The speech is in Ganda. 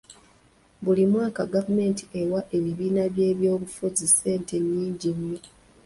Buli mwaka gavumenti ewa ebibiina by'ebyobufuzi ssente nnyingi nnyo.